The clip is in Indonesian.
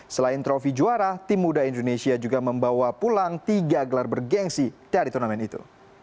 selain trofi juara tim muda indonesia juga membawa pulang tiga gelar bergensi dari turnamen itu